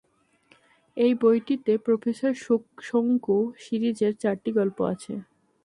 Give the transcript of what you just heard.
এই বইটিতে প্রোফেসর শঙ্কু সিরিজের চারটি গল্প আছে।